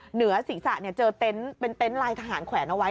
เหนือศีรษะเจอเต็นต์เป็นเต็นต์ลายทหารแขวนเอาไว้